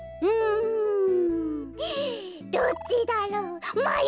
うん。どっちだろう。